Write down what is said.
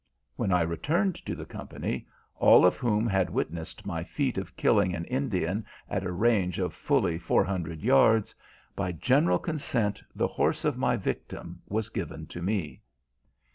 When I returned to the company, all of whom had witnessed my feat of killing an Indian at a range of fully four hundred yards, by general consent the horse of my victim was given to me.